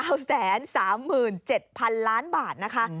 โอ้โฮ๙๓๗๐๐๐ล้านบาทนะคะ